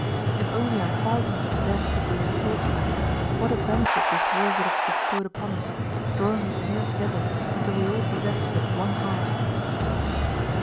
If only our thousands of dead could be restored to us what a benefit this war would have bestowed upon us, drawing us near together, until we all possess but one heart."